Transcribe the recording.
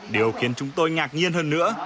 điều khiến chúng tôi ngạc nhiên hơn nữa